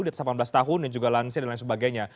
di atas delapan belas tahun dan juga lansia dan lain sebagainya